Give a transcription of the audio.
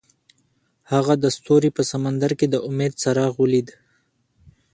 هغه د ستوري په سمندر کې د امید څراغ ولید.